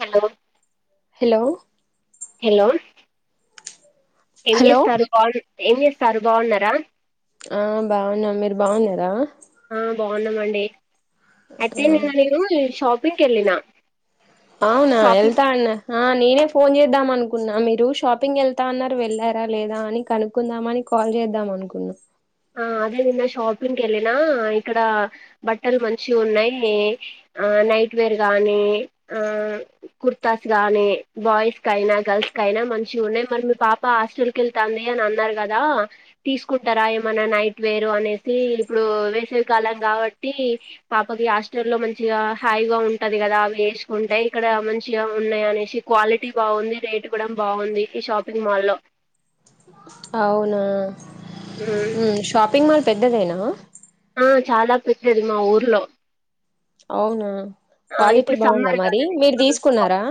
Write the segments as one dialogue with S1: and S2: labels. S1: Hello
S2: hello
S1: hello ఏం చేస్తారు బావు ఏం చేస్తారు బావున్నారా?
S2: ఆ బావున్నామ్ మీరు బావున్నారా?
S1: వున్నామండి అయితే నిన్న నేను షాపింగ్కి వెళ్ళిన
S2: అవునా
S1: షాపింగ్
S2: ఎళ్తా అన్న ఆ నేనే ఫోన్ చేద్దాం అనుకున్నా మీరు షాపింగ్ వెళ్తా అన్నారు వెళ్ళారా, లేదా అని కనుక్కుందామని కాల్ చేద్దాం. మనకు
S1: ఆ అదే నిన్న షాపింగ్కి వెళ్ళిన ఇక్కడ బట్టలు మంచి ఉన్నాయి నైట్ వేర్స్ కని ఆ కుర్తాస్ కని బాయ్స్ కయిన గల్స్ కై న మంచిగ ఉన్నాయి మరి మీ పాప హాస్టల్ కేల్తంది అని అన్నారు కదా తీసుకుంటారా మన నైట్ వేరు అనేసి ఇప్పుడు వేసవి కాలం కాబట్టి పాపకి హాస్టల్ లో మంచి హైగా ఉంటది కదా అవి వేసుకుంటే ఇక్కడ మంచిగా ఉన్నాయి అనేసి క్వాలిటీ బాగుంది రేట్ ఇవ్వడం బాగుంది ఈ షాపింగ్ మాల్ లో
S2: అవునా
S1: ఉమ్.
S2: మ్ షాపింగ్ మాల్ పెద్దదేనా
S1: ఆ చాలా పెద్దది మా ఊర్లో
S2: అవునా
S1: ఆ
S2: క్వాలిటీ
S1: ఇప్పుడు
S2: బాగుందా
S1: సమ్మర్
S2: మరి మీరు
S1: కద
S2: తీసుకున్నారా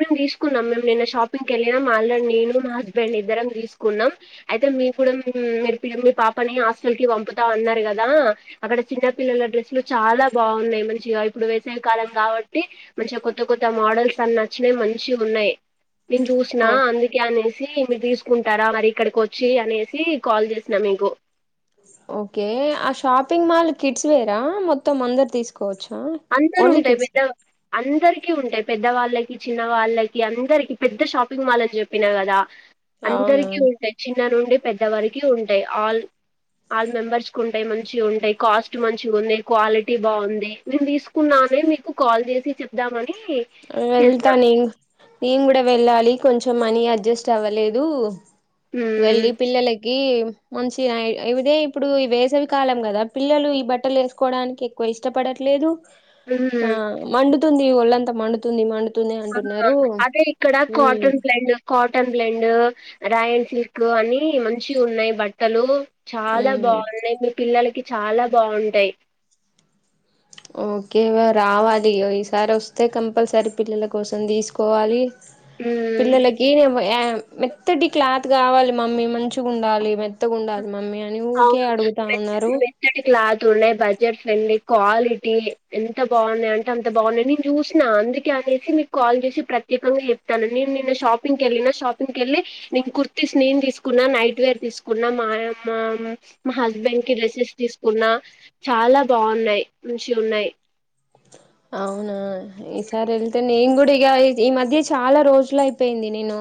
S1: మీము తీసుకున్నాం మేము నిన్న షాప్ కెళ్ళినం ఆల్రెడీ నేను మా హస్బెండ్ ఇద్దరం తీసుకున్నాం అయితే మీ కూడా మీరు మీ పాప ని హాస్టల్ కి పంపుతా ఉన్నారు కదా అక్కడ చిన్నపిిల్లల డ్రెస్ లు చాలా బాగున్నాయి మంచిగా ఇప్పుడు సవి కాలం కాబట్టి మంచిగా కొత్త కొత్త మోడల్స్ అన్ని నచ్చినవి మంచిగ ఉన్నాయి నేను చూసిన
S2: ఆ,
S1: అందుకే అనే సి మీరు తీసుకుంటారా మరి ఇక్కడికి వచ్చి అనేసి కాల్ చేసిన మీకు
S2: ఓకే ఆ షాపింగ్ మాల్ కిట్స్ వేరా మొత్తం అందరు తీస్
S1: అందరు ఉంటాయి పెద్ద అందరి కి ఉంటాయి పెద్ద వాళ్ళకి చిన్న వాళ్ళకి అందరికి పెద్ద షాపింగ్ మాల్ అని చెప్పినా కదా
S2: అవునా
S1: అందరికి ఉంటాయి చిన్న నుండి పెద్దవరకి ఉంటాయి ఆల్ ఆల్ మెంబర్స్ కి ఉంటాయి మంచిగా ఉంటాయి కాస్ట్ మంచిగా ఉంది క్వాలిటీ బాగుంది నేను తీసుకున్నా అనే మీకు కాల్ చేసి చెప్దామ
S2: వెళ్తా న నేను కూడా వెళ్ళాలి కొంచెం మనీ అడ్జస్ట్ అవ్వలేదు
S1: హ్మ్.
S2: వెళ్ళి పిల్లల కి మంచి ఇదే ఇప్పుడు ఈ వేసవి కాలం కదా పిల్లలు ఈ బట్టలు వేసుకోవడానికి ఎక్కువ ఇష్ట పడట్లేదు ఆ
S1: హ్మ్.
S2: మడుతుంది ఒళ్ళంతా మండుతుంది మండుతుంది
S1: ఆ
S2: అంటున్నారు
S1: అదే ఇక్కడ
S2: ఉమ్
S1: కాటన్ ప్లడ్ కాటన్ టన్ బ్లెండ్ రాయన్ సిల్క్ అని మంచిగున్నాయి బట్టలు చాలా
S2: ఉమ్
S1: బాగున్నాయి మీ పిల్లలకి చాలా బాగుంటాయి
S2: ఓకేవే రావాలి ఈసారి వస్తే కంపల్సరీ పిల్లల కోసం తీసుకోవాలి
S1: హ్మ్.
S2: పిల్లలకి వ్ య్ మెత్తటి క్లాత్ కావాలి మమ్మీ మంచిగా ఉండాలి మెత్తగా ఉండాలి మమ్మీ అని ఊకే
S1: అవును
S2: అడుగుతా ఉన్నారు
S1: మెత్తటి క్లాత్ తున్నాయి బడ్జెట్ ఫ్రెండ్లీ క్వాలిటీ ఎంత బాగున్నాయ్ అంటే అంత బాగున్నాయ్ నేను చూసిన అందుకే అనేసి మీకు కాల్ చేసి ప్రత్యేంగా చెప్తాన నీను నిన్న షాపింగ్ కెళ్ళినా షాపింగ్ కెళ్ళి నేను తీసుకున్నా నైట్ వేర్ తీసుకున్నా మా మా మా హస్బెండ్ కి డ్రెస్సెస్ తీసుకున్నా చాలా బాగున్నాయి మంచిగున్నాయి
S2: అవునా ఈసారి వెళ్తే నీను కూడా ఇగ ఈ మధ్య చాలా రోజులు అయిపోయింది నేను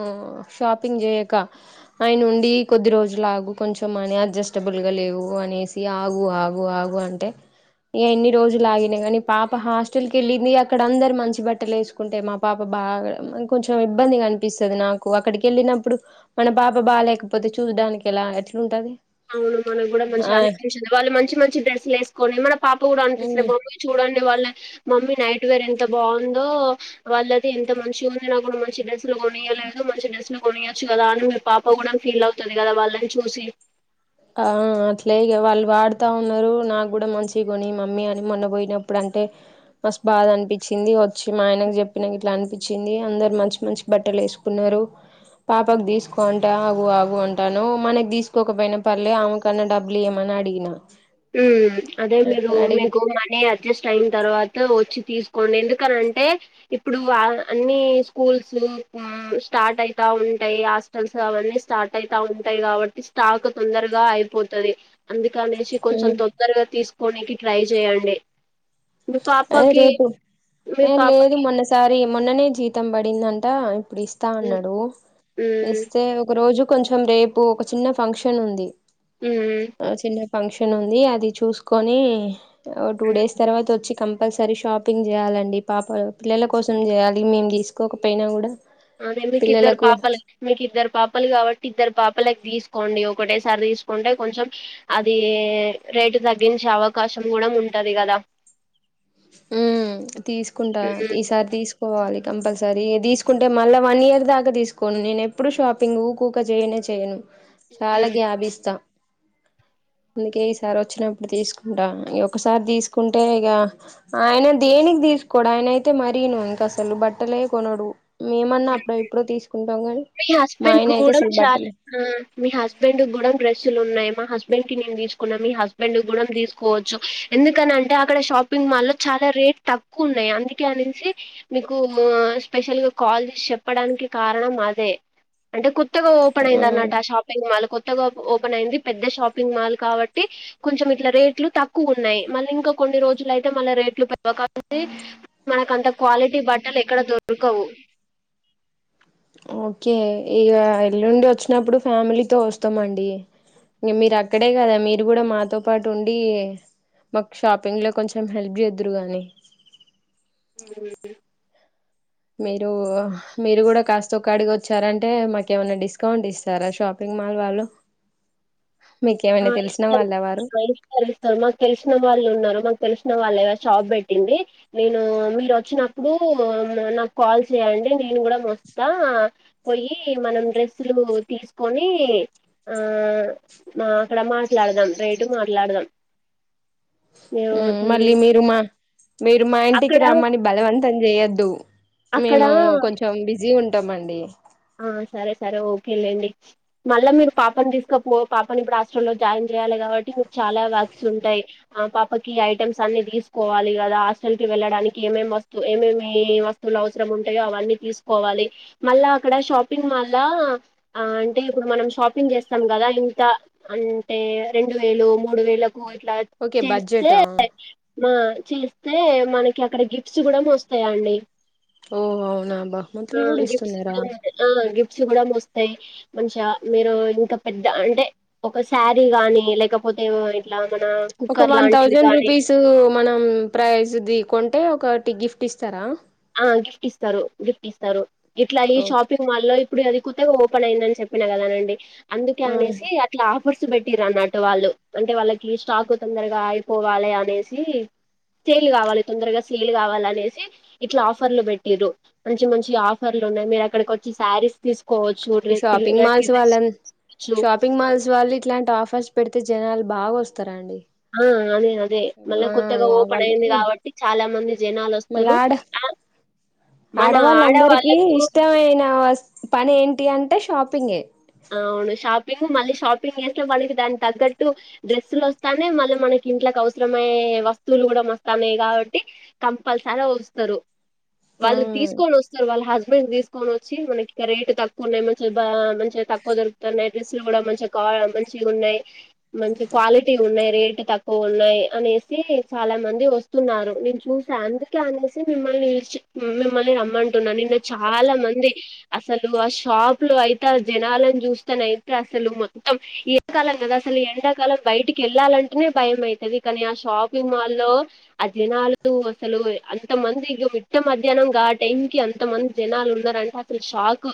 S2: షాపింగ్ చేయక ఆయన ఉండి కొద్ది రోజులు లాగు కొంచెం మని అడ్జస్టబుల్ గా లేవు అనేసి ఆగు ఆగు ఆగు అంటే ఇగ ఇన్ని రోజులు ఆగిన కాని పాప హాస్ స్టల్కి వెళ్ళింది అక్కడ అందరు మంచి బట్టలు వేసుకుంటే మా పాప బాగా కొంచెం ఇబ్బందిగనిపిస్తది నా నాకు అక్కడికేళ్ళినప్పుడు మన పాప బా లేకపోతే చూసడానికి ఎలా ఎట్లుంటది
S1: అవును మనకు కూడా మంచిగా
S2: ఆ
S1: అనిపించదు వాళ్ళు మంచి మంచి డ్రెస్సులేసుకొని మన పాపు కూడా
S2: ఉమ్
S1: అనిపించట్లేదు చూడండి వాళ్ళ మమ్మీ నైట్ వేర్ ఎంత బాగుందో వాళ్ళయి ఎంత మంచి ఉంది నాకు మంచి డ్రెస్సు కొనియలేదు మంచి డెస్ లో కొనియొచ్చు కదా అని మీ పాప కూడా ఫీల్ అవుతుంది కదా వాళ్ళని చూసి
S2: ఆ అట్లే వాళ్ళు వాడుతా ఉన్నారు నాకు కూడా మంచి కొని మమ్మీ అని మొన్న పోయినప్పుడు అ టే మస్ బాగా అనిపించింది వచ్చి మా ఆయనకు చెప్పినా ఇట్లా అనిపించింది అందరు మంచి మంచి బట్టలు వేసుకున్న పాపకు తీసుకోంట అగు ఆగు అంటాను మనకు తీసుకోకపోయినా పర్లే ఆమెకన్నా డబ్బలుయమని అడిగిన
S1: అదే మీరు
S2: అడిగి
S1: మీకు మనీ అడ్జస్ట్ అయిన తర్వాత వచ్చి తీసుకోండి ఎందుకనింటే ఇప్పుడు అన్ని స్కూల్స్ స్టార్ట్ అయితా ఉంటాయి హాస్టల్స్ అవన్నీ స్టార్ట్ అయితా ఉంటాయి కాబట్టి స్టాక్ తొందరగా అయిపోతుది అందుకనేసి కొంచెం తొందరగా తీసుకోడానికి ట్రై చేయడి
S2: అ రేపు ఏ లేదు
S1: పాపకి
S2: మొన్నసారి మొన్ననే జీతం పడిందంట ఇప్పుడు ఇస్తా
S1: హ్మ్.
S2: అన్నాడు
S1: హ్మ్.
S2: ఇస్తే ఒక రోజు కొంచెం రేపు ఒక చిన్న ఫంక్షన్ ఉంది
S1: ఉమ్
S2: చిన్న ఫంక్షన్ ఉంది అది చూసుకొని ఓ టూ డేస్ తర్వాత వచ్చి కంపల్సరీ షాపింగ్ చేయాలండి పాప పిల్లల కోసం చేయాలి మేము తీసుకోకపోయినా కూడా
S1: అదే మీకు ఇద్దరు
S2: పిల్లలకు
S1: పాపలు మీకు ఇద్దరు పాపలు కాబట్టి ఇద్దరు పాప లోప్పలికి తీసుకోండి ఒకటేసారి తీసుకుంటే కొంచెం అది రేటు తగ్గించే అవకాశం కూడా ఉంటది కదా
S2: ఉ తీసుకుంటా
S1: ఉమ్,
S2: ఈసారి తీసుకోవాలి కంపల్సర సరే తీసుకుంటే మళ్ళా వన్ ఇయర్ దాకా తీసుకోను నేను ఎప్పుడు షాపింగ్ ఊ కూకే చేయనే చేయను
S1: ఉమ్.
S2: చాలా గ్యాప్ ఇస్తా అందుకే ఈసారి వచ్చినప్పుడు తీసుకుంటా ఇ ఒకసారి తీసుకుంటే ఇగా ఆయన దేనికి తీసుకోడు ఆయన అయితే మరను ఇంక అసలు బట్టలే కొనడు మేమన్నా అప్పుడు ఎప్పుడో తీసుకుంట
S1: మీ హస్బెండ్ కూడా చాలా మీ హస్బెండ్ కూడా డ్రెస్సులు ఉన్నాయి మా హస్బెండ్ కి నేను తీసుకున్నా మీ హస్బెండ్ గుం తీసుకోవచ్చు ఎందుకనింటే అక్కడ షాపింగ్ మాల్ లో చాలా అ రేట్ తక్కువ ఉన్నాయి అందుకే అనిసి మీకు స్పెషల్ గా కాల్ చేసి చెప్పడానికి కారణం అదే అంటే కొత్తగా ఓపెన్
S2: ఆ
S1: అయింద అన్నమాట షాపింగ్ మల్లు ఓపెన్ అయింది పెద్ద షాపింగ్ మాల్ కాబట్టి కొంచెం ఇట్లా రేట్లు తక్కువ ఉన్నాయి మళ్ళ ఇంకా కొన్ని రోజులు అయితే మళ్ళ రేట్లు పె కా మనకు అంత క్వాలిటీ బట్టలు ఎక్కడ దొరకవు
S2: ఓకే ఇక ఎల్లుండి వచ్చినప్పుడు ఫ్యామిలీతో వస్తామండి ఇం మీరు అక్కడే కదా మీరు కూడా మాతో పాటు ఉండి మాకు షాపింగ్లో కొంచెం హెల్ప్ చేదురు కానీ
S1: ఉ
S2: మీరు మీరు కూడా కాస్త ఒక అడిగి వచ్చారంటే మాకు ఏమైనా డిస్కౌంట్ ఇస్తారా షాపింగ్ మల్ వాళ్ళు మీకేమైనా తెలిసిన వాళ్ళ వారు
S1: ఇస్త ఇస్తారు ఇస్తారు మా తెల్సిన వాళ్ళు ఉన్నారు మాకు తెలిసిన వాళ్ళు షాబ్ పెట్టింది నేను మీరు వచ్చినప్పుడు నాకు కాల్ చేయండి నేను కూడా మొత్త పోయి మనం డ్రెస్సులు తీసు కుని ఆ మా అక్కడ మాట్లాడదాం రేటు మాట్లాడదాం మేము
S2: మ్ మళ్ళీ మీరు మా మీరు మా ఇంటికి
S1: అక్కడ
S2: రమ్మని బలవంతం చేయొద్దు
S1: అక్కడ
S2: మేము కొంచెం బిజీ ఉం టామండి
S1: ఆ సరే సరే ఓకేలేండి మళ్ళా మీరు పాపని తీసుకపో పాపని ఇప్పుడు హాస్ట్ర లో జాయిన్ చేయాలి కాబట్టి మీకు చాలా వర్క్ స్ ఉంటాయి ఆ పాపకి ఐటెమ్స్ అన్ని తీసుకోవాలి కదా హాస్టల్ కి వెళ్ళడానికి ఏమేం వస్తు ఏమేమి వస్తువులు అవసరం ఉంటాయో అవన్నీ తీసుకోవాలి మళ్ళా ఇక్కడ షాపింగ్ మాల్ల అంటే ఇప్పుడు మనం షాపింగ్ చేస్తాం కదా ఇంత అంటే రెండు వేలకు మూడు వేలకు ఇట్ల
S2: ఓకే
S1: చేస్తే
S2: బడ్జెటా
S1: ఆ చే స్తె మనకి అక్కడ గిఫ్ట్స్ కూడా వస్తాయండి
S2: ఓ అవునా
S1: ఆ
S2: బహుమంతులు కూడా
S1: గిఫ్ట్స్
S2: ఇస్తున్నార
S1: ఆ గిఫ్ట్స్ కూడా ఇస్ స్థాయి మంచిగా మీరు ఇంకా పెద్ద అంటే ఒక శారీ గాని లేకపోతే ఇట్లా మన
S2: ఒక
S1: కుక్కర్
S2: వన్
S1: లాంటివి
S2: థౌజండ్
S1: గాని
S2: రూపీస్ మనం ప్రైస్ ది కొం టే ఒకటి గిఫ్ట్ ఇస్తారా
S1: ఆ గిఫ్ట్ ఇస్తారు గిఫ్ట్ ఇస్తారు ఇట్లా ఈ
S2: ఓకే
S1: షాపింగ్ మాల్ల్లో ఇప్పుడు అది కొత్తగా ఓపెన్ అయిందని చెప్పిన కదా అనండి అందుకే
S2: ఆ,
S1: అనేసి అట్లా ఫర్సు పెట్టిరన్నట్టు వాళ్ళు అంటే వాళ్ళకి స్టాకు తొందరగా అయిపోవాలి అనేసి సేలు కావాలి తొందరగా సెల్ కావాలనేసి ఇట్లా ఆఫర్లు పెట్టిర్రు మంచి మంచి ఆఫర్లు ఉన్నాయి మీరు అక్కడికి వచ్చి శారీస్ తీస్
S2: షాపింగ్ మాల్స్ వాళ్ళ
S1: చ్చు
S2: షాపింగ్ మాల్స్ వాళ్ళు ఇట్లాంటి ఆఫర్స్ పెడితే జనాలు బాగా వస్తారండి
S1: ఆ అదే అదే మళ్ళీ
S2: ఆ
S1: కొత్తగా ఓపెన్
S2: వాళ్ళు
S1: అయింది కాబట్టి చాలా మంది జనాలు వస్తారు అ
S2: ఆడవాళ్ళందరికిీ ఇష్టమైన పని ఏంటి అంటే షాపింగే
S1: అవును షాపింగ్ మళ్ళీ షాపింగ్ చేస్ మనకి దానికి తగ్గట్టు డ్రెస్సులు వస్తానై మళ్ళ మనకి ఇంట్కి అవసరమయే వస్తువులు కూడా వస్ స్థానై కాబట్టి కంపల్సరి వస్తారు
S2: ఆ
S1: వాళ్ళు తీసుకొని వస్తారు వాళ్ళ హస్బెండ్ తీసుకొని వచ్చి మనకి ఇక్కడ రేటు తక్కువ ఉన్నాయి మంచి మంచిగా తక్కువ దొరుకుతున్నాయి డ్రెస్లు కూడా మంచి మంచిగ ఉన్నాయి మంచి క్వాలిటీ ఉన్నాయి రేట్ తక్ కువున్నాయి అనేసి చాలా మంది వస్తున్నారు నేను చూసి అందుకే అనేసి మిమ్మల్ని మిమ్మల్ని రమ్మంటున్నా నిన్న చాలా మంది అసలు ఆ షాప్ లో అయితే జనాలను చూస్తానైతే అసలు మొత్తం ఎండాకాలం కదా అసలు ఎండాకాలం బయటికి వెళ్ళాలంటేనే భయం అవుతది కానీ ఆ షాపింగ్ మాల్ల్లో అ జనాలు అసలు అంత మంది ఇగ మీ ట్ట మధ్యాహ్నంగా ఆ టైం కి అంత మంది జనాలు ఉన్నారంటే అసలు షాక్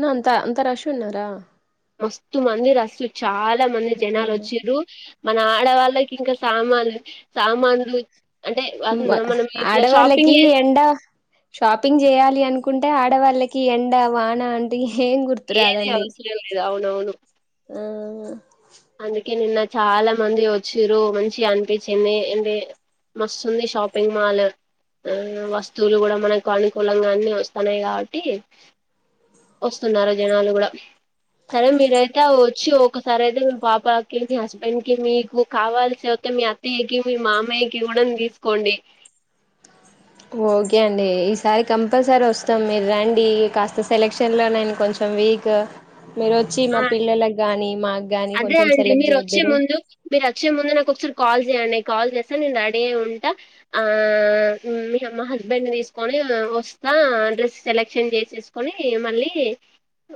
S2: నా అంత అంత రష్ ఉన్నారా
S1: మస్తు మంది రస్ చాలా మంది జనాలు
S2: అవును
S1: వచ్చారు మన ఆడవాళ్ళకి ఇంకా సామాన్లు సామాన్లు అంటే మనం ఇట్లా
S2: ఆడవాళ్ళకి
S1: షాపింగ్
S2: ఎండ షాపింగ్ చేయాలి అనుకుంటే ఆ ఆడవాళ్ళకి ఎండ వాన అంటే ఏం
S1: ఏది
S2: గుర్తురాదండి
S1: అవసరం లేదు అవునవును
S2: ఆ
S1: అందుకే నిన్న చాలా మంది వచ్చారు మంచిగ అనిపించింది అంటే మస్తుంది షాపింగ్ మాల్ ఆ వస్తువులు కూడా మనకు అనుకూలంగానే వస్తున్నాయి కాబట్టి వస్తున్నారు జనాలు కూడా సరే మీరైతే వచ్చి ఒకసారి అయితే పాపకి మీ హస్బెండ్ కి మీకు కావాల్సి అతే మీ అత్తయ్యకి మీ మామయ్యకి కూడా తీసుకోం లే
S2: ఓకే అండి ఈసారి కంపల్సరీ వస్తాం మీరు రండి కాస్త సెలెక్షన్లో నేను కొంచెం వక్ మీరు వచ్చి మా
S1: ఆ
S2: పిల్లలగాని మా
S1: అదే అండి మీరు వచ్చే ముందు మీరు వచ్చే ముందు నాకు ఒకసారి కాల్ చేయ్యడి కాల్ చేస్తా నేను రెడీ అయి ఉంటా ఆ మా హస్బెండ్ని తీసుకొని వ ఆ డ్రెస్ సెలెక్షన్ చేసేసుకొని మళ్ళీ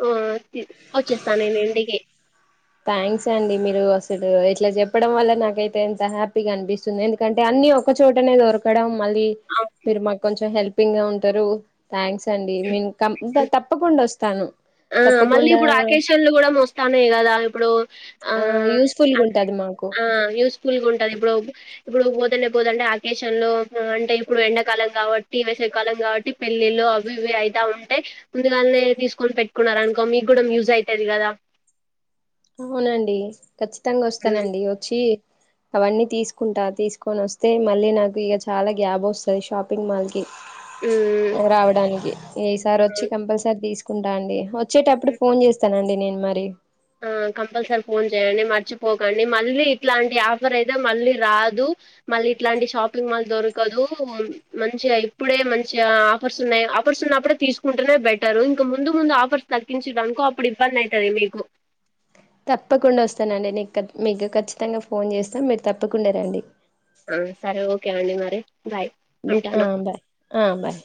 S1: ఆ వచ్చేస్తా నేను ఇంటికి
S2: థ్యాంక్స్ అండి మీరు అసలు ఇట్లా చెప్పడం వల్ల నాకైతే ఎంత హ్యాపీగా అనిపిస్తుంది ఎందుకంటే అన్ని అన్నీ ఒక చోటనే దొరకడం మళ్ళీ
S1: ఆ,
S2: మీరు మాకు కొంచెం హెల్పింగ్గా ఉంటారు థ్యాంక్స్ అండి మీన్ కం తప్పకుండా వస్తాను
S1: ఆ మళ్ళీ
S2: తప్పకుండా
S1: ఇప్పుడు ఆకష్న్లు కూడా వస్తాన్నాయి కదా ఇప్పుడు ఆ
S2: యూస్ఫుల్గా ఉంటది మాకు
S1: యూస్ఫుల్గా ఉం ఇప్పుడు ఇప్పుడు పోతేనే పోంటే ఆకేషన్లో అంటే ఇప్పుడు ఎండాకాలం కాబట్టి వేసవి కాలం కాబట్టి పెళ్లిళ్ళలు అవి ఇవి అయిత ఉంటై ముందుగానే తీసుకొని పెట్ కున్న అనుకో మీకు కూడా యూజ్ అయితది కదా
S2: అవునండి ఖచ్చితంగా
S1: ఉమ్,
S2: వస్తానండి వచ్చి అవన్నీ తీసుకుంటా తీసుకొని వస్తే మళ్ళీ నాకు ఇక చాలా గ్యాబ్ వస్తది షాపింగ్ మాల్స్
S1: ఉమ్,
S2: రావడానికి ఏసారి వచ్చి కంపల్సరీ తీసుకుంటా అండి వచ్చేటప్పుడు ఫోన్ చేస్తానండి నేను మరి
S1: ఆ కంపల్సరీ ఫోన్ చేయండి మర్చిపోకండి మల్లి ఇట్లాంటి ఆఫరైతే మల్లి రాదు ఇలా షాపింగ్ మాల్ దొరకదు మంచిగ ఇప్పుడే మంచి ఆఫర్స్ ఉన్నాయి ఆఫర్స్ ఉన్నా ఆప్పుడు తీసుకుంటూనే బెటర్ ఇంక ముందు ముందు ఆఫర్స్ తగ్గించడానుకో అప్పుడు ఇబ్బంది అవుతుంది మీకు
S2: తప్పకుండా వస్తానండి నీకు మీకు ఖచ్చితంగా ఫోన్ చేస్తాం మీరు తప్పకుండా రండి
S1: ఆ సరే అండి ఓకే అండి మరి బాయ్
S2: ఆ
S1: ఉంటాను
S2: బాయ్ ఆ బాయ్